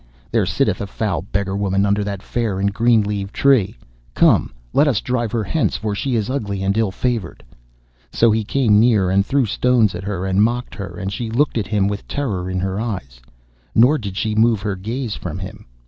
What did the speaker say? There sitteth a foul beggar woman under that fair and green leaved tree. Come, let us drive her hence, for she is ugly and ill favoured.' So he came near and threw stones at her, and mocked her, and she looked at him with terror in her eyes, nor did she move her gaze from him.